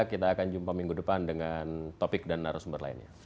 kita akan jumpa minggu depan dengan topik dan narasumber lainnya